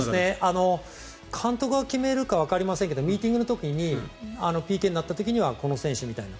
監督が決めるかはわかりませんがミーティングの時にＰＫになった時にはこの選手みたいな。